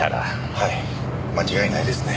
はい間違いないですね。